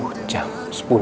aku gak peduli